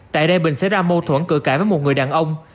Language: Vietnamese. tại đây bình xảy ra mâu thuẫn cự cãi với một người đàn ông